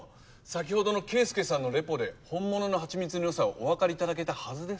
先ほどのケイスケさんのレポで本物の蜂蜜の良さをお分かりいただけたはずですが。